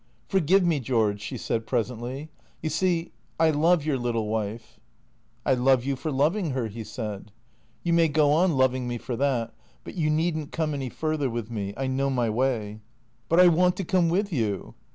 " Forgive me, George," she said presently. " You see, I love your little wife.' " I love you for loving her," he said. " You may go on loving me for that. But you need n't come any further with me. I know my way." " But I want to come with you."